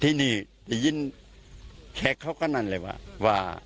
ที่นี่ได้ยินแขกเขากันอันเลยว่า